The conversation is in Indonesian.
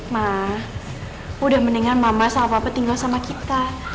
mah udah mendingan mama sama papa tinggal sama kita